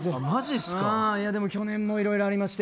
でも去年もいろいろありまして。